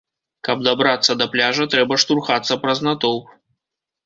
Каб дабрацца да пляжа, трэба штурхацца праз натоўп.